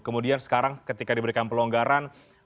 kemudian sekarang ketika diberikan pelonggaran